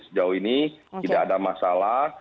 sejauh ini tidak ada masalah